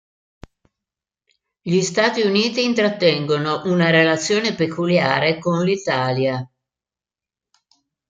Gli Stati Uniti intrattengono una relazione peculiare con l'Italia.